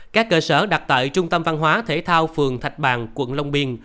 các cơ sở đặt tại trung tâm văn hóa thể thao phường thạch bàn quận long biên